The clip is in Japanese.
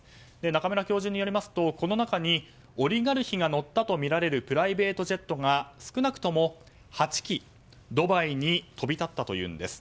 中村教授によりますとこの中にオリガルヒが乗ったとみられるプライベートジェットが少なくとも８機、ドバイに飛び立ったというんです。